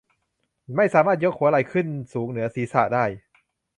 ไม่สามารถยกหัวไหล่ขึ้นสูงเหนือศีรษะได้